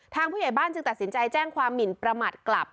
ผู้ใหญ่บ้านจึงตัดสินใจแจ้งความหมินประมาทกลับ